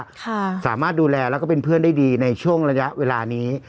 ค่ะสามารถดูแลแล้วก็เป็นเพื่อนได้ดีในช่วงระยะเวลานี้